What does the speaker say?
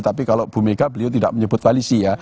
tapi kalau bu mega beliau tidak menyebut koalisi ya